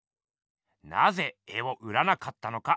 なぜ絵を売らなかったのか？